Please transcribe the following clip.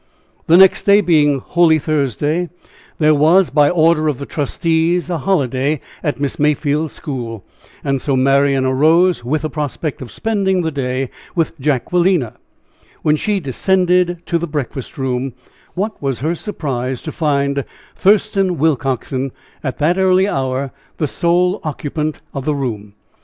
The next day being Holy Thursday, there was, by order of the trustees, a holiday at Miss Mayfield's school. And so Marian arose with the prospect of spending the day with Jacquelina. When she descended to the breakfast room, what was her surprise to find Thurston Willcoxen, at that early hour, the sole occupant of the room.